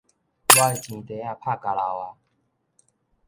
我的錢袋仔拍交落矣